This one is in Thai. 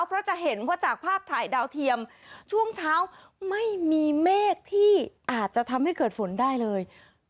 เพราะจะเห็นว่าจากภาพถ่ายดาวเทียมช่วงเช้าไม่มีเมฆที่อาจจะทำให้เกิดฝนได้เลย